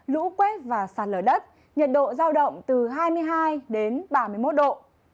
lũ quét và sạt lở đất nhiệt độ giao động từ hai mươi hai đến ba mươi một độ